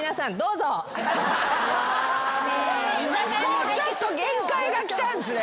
もうちょっと限界がきたんですね